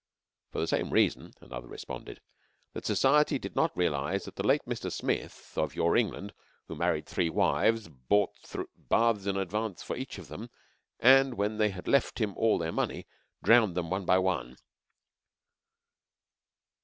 "For the same reason," another responded, "that society did not realize that the late Mr. Smith, of your England, who married three wives, bought baths in advance for each of them, and, when they had left him all their money, drowned them one by one."